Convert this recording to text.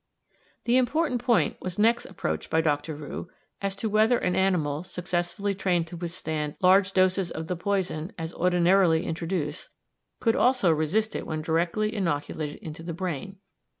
The important point was next approached by Dr. Roux as to whether an animal, successfully trained to withstand large doses of the poison, as ordinarily introduced, could also resist it when directly inoculated into the brain.